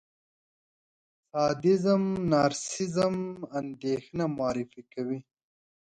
سادېزم، نارسېسېزم، اندېښنه معرفي کوي.